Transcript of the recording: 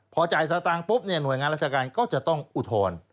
พอจ่ายสตางหน่วยงานราชการก็จะต้องอุทธน